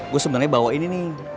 gue sebenarnya bawa ini nih